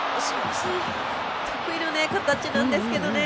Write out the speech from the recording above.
得意の形なんですけどね。